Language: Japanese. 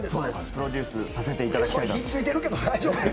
プロデュースさせていただきたいなと。